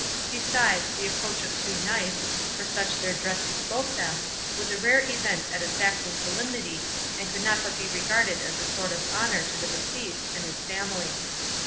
Besides, the approach of two knights, for such their dress bespoke them, was a rare event at a Saxon solemnity, and could not but be regarded as a sort of honour to the deceased and his family.